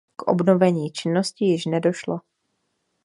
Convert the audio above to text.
K obnovení činnosti již nedošlo.